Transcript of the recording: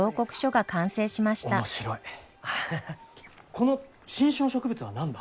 この新種の植物は何だ？